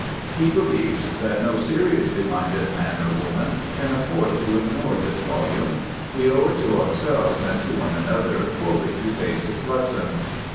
He believes that no seriously minded man or woman can afford to ignore this volume. We owe it to ourselves and to one another fully to face its lesson.